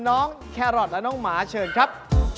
น้องแครอทและน้องหมาเชิญครับ